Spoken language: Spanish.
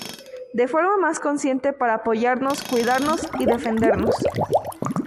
de forma más consciente para apoyarnos, cuidarnos y defendernos